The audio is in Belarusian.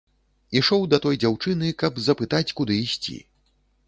Ішоў да той дзяўчыны, каб запытаць, куды ісці.